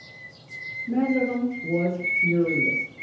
Mazarin was furious.